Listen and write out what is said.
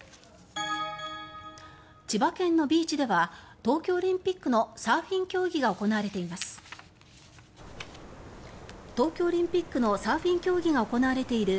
千葉県のビーチでは東京オリンピックのサーフィン競技が行われています。